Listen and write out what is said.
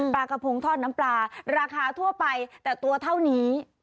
ปลากระพงทอดน้ำปลาราคาทั่วไปแต่ตัวเท่านี้